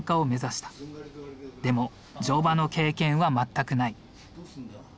でも乗馬の経験は全くない。